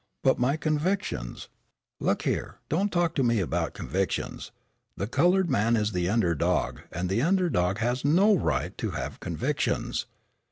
"But my convictions " "Look here, don't talk to me about convictions. The colored man is the under dog, and the under dog has no right to have convictions.